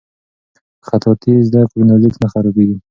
که خطاطي زده کړو نو لیک نه خرابیږي.